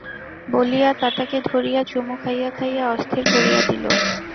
বলিয়া তাতাকে ধরিয়া চুমো খাইয়া খাইয়া অস্থির করিয়া দিল।